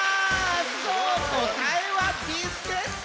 そうこたえはビスケット！